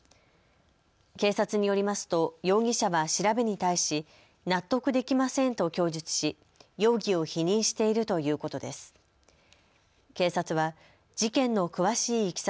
警察によりますと容疑者は調べに対し納得できませんと供述し容疑を否認しているということです。